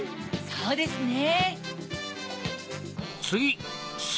そうですね。